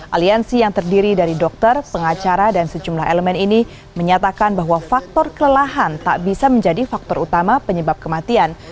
aliansi yang terdiri dari dokter pengacara dan sejumlah elemen ini menyatakan bahwa faktor kelelahan tak bisa menjadi faktor utama penyebab kematian